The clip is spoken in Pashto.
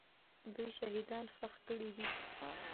دوی شهیدان ښخ کړي دي.